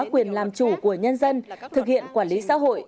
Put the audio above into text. quyền làm chủ của nhân dân thực hiện quản lý xã hội